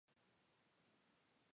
四指蝠属。